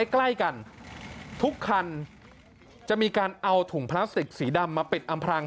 ใกล้กันทุกคันจะมีการเอาถุงพลาสติกสีดำมาปิดอำพลัง